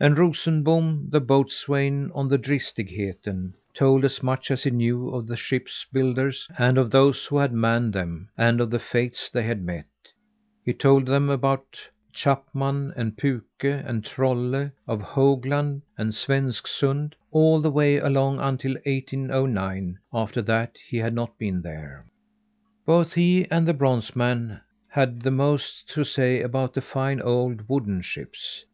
And Rosenbom, the boatswain on the Dristigheten, told as much as he knew of the ships' builders, and of those who had manned them; and of the fates they had met. He told them about Chapman and Puke and Trolle; of Hoagland and Svensksund all the way along until 1809 after that he had not been there. Both he and the bronze man had the most to say about the fine old wooden ships.